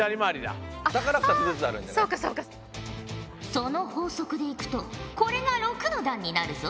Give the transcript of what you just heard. その法則でいくとこれが６の段になるぞ。